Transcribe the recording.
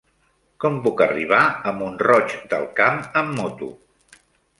Com puc arribar a Mont-roig del Camp amb moto?